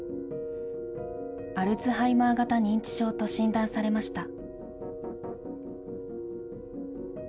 アルツハイマー型認知症と診断されました。